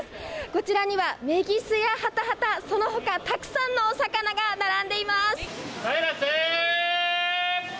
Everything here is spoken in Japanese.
こちらにはめぎすやはたはたそのほかたくさんのお魚が並んでいます。